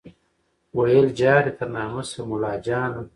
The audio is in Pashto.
ویل جار دي تر نامه سم مُلاجانه